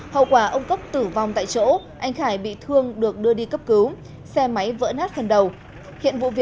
hậu quả ông cốc tử vong tại chỗ anh khải bị thương được đưa đi cấp cứu xe máy vỡ nát phần đầu